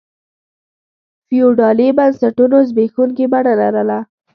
فیوډالي بنسټونو زبېښونکي بڼه لرله.